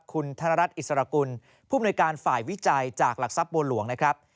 คุณธนรัฐอิสรกุลผู้มนุยการฝ่ายวิจัยจากหลักทรัพย์บัวหลวงนะครับ